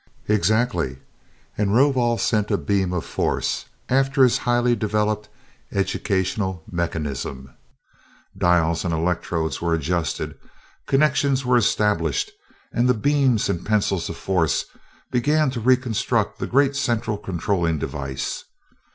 "Exactly," and Rovol sent a beam of force after his highly developed educational mechanism. Dials and electrodes were adjusted, connections were established, and the beams and pencils of force began to reconstruct the great central controlling device.